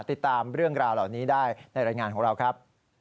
ติดตามเรื่องราวเหล่านี้ได้ในรายงานของเราครับ